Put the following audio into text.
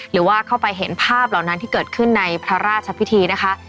หรือว่าเข้าไปเห็นภาพเหล่านั้นที่เกิดขึ้นในพระราชพิธีนะคะ